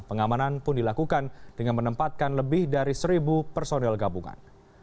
pengamanan pun dilakukan dengan menempatkan lebih dari seribu personel gabungan